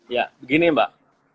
ya begini mbak